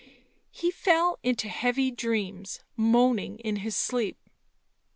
He fell into heavy dreams, moaning in his sleep.